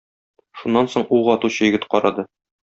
Шуннан соң ук атучы егет карады.